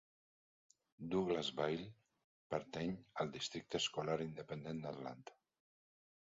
Douglassville pertany al districte escolar independent d'Atlanta.